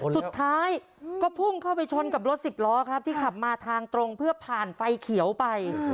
สุดท้ายก็พุ่งเข้าไปชนกับรถสิบล้อครับที่ขับมาทางตรงเพื่อผ่านไฟเขียวไป